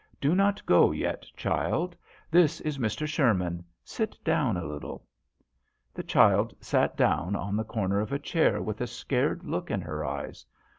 Do not go yet, child. This is Mr. Sherman. Sit down a little." The child sat down on the corner of a chair with a scared look in her eyes.